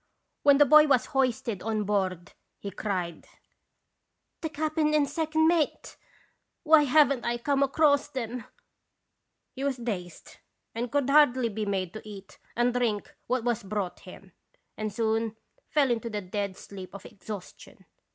When the boy was hoisted on board he cried : Qt (Sradons Visitation. 169 cap'n and the second mate! Why have n't I come across 'em?' "He was dazed and could hardly be made to eat and drink what was brought him, and soon fell into the dead sleep of exhaustion.